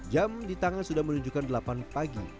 jam di tangan sudah menunjukkan delapan pagi